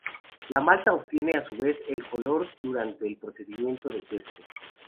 La malta obtiene a su vez el color durante el procedimiento de tueste.